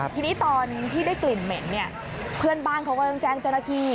ทีนี้ตอนที่ได้กลิ่นเหม็นเนี่ยเพื่อนบ้านเขาก็ต้องแจ้งเจ้าหน้าที่